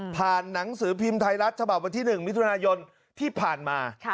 หนังสือพิมพ์ไทยรัฐฉบับวันที่๑มิถุนายนที่ผ่านมา